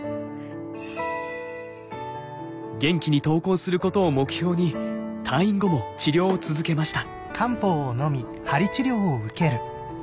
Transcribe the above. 元気に登校することを目標に退院後も治療を続けました。